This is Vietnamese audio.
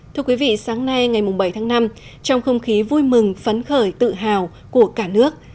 thưa quý vị sáng nay ngày bảy tháng năm trong không khí vui mừng phấn khởi tự hào của cả nước